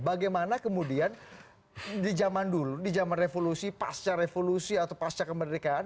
bagaimana kemudian di zaman dulu di zaman revolusi pasca revolusi atau pasca kemerdekaan